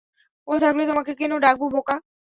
ও থাকলে তোমাকে কেন ডাকবো বোকা?